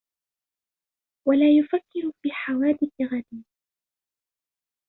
وَلَا يُفَكِّرُ فِي حَوَادِثِ غَدِيَ